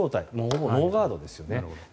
ほぼノーガードですね。